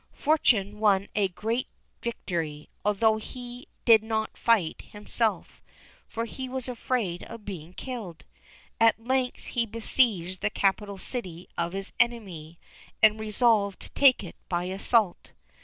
Fortuné won a great victory, although he did not fight himself, for he was afraid of being killed. At length he besieged the capital city of his enemy, and resolved to take it by assault.